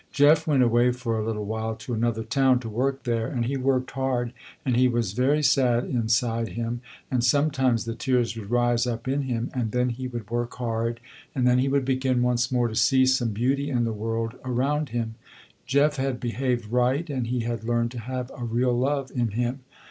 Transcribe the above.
Jeff went away for a little while to another town to work there, and he worked hard, and he was very sad inside him, and sometimes the tears would rise up in him, and then he would work hard, and then he would begin once more to see some beauty in the world around him. Jeff had behaved right and he had learned to have a real love in him.